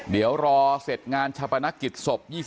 เดี๋ยวรอเสร็จงานชาปนกิจศพ